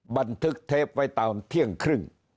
บันทึกเทปไว้ตอนเที่ยงครึ่ง